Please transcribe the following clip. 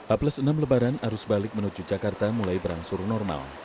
a plus enam lebaran arus balik menuju jakarta mulai berangsur normal